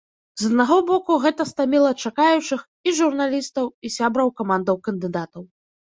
З аднаго боку, гэта стаміла чакаючых, і журналістаў, і сябраў камандаў кандыдатаў.